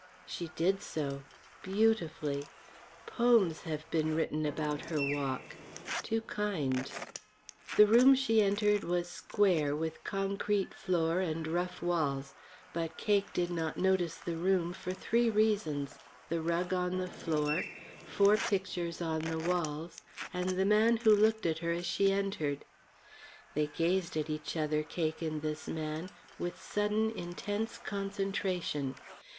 She did so. Beautifully. Poems have been written about her walk. Two kinds. The room she entered was square, with concrete floor and rough walls. But Cake did not notice the room for three reasons: The rug on the floor, four pictures on the walls, and the man who looked at her as she entered. They gazed at each other, Cake and this man, with sudden, intense concentration.